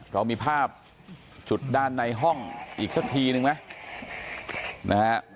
เรามีภาพจุดด้านในห้องอีกสักทีนึงไหมนะฮะ